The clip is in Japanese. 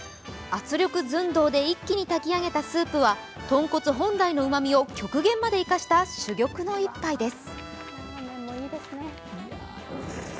圧力ずんどうで一気に炊き上げたスープは豚骨本来のうまみを極限まで生かした珠玉の１杯です。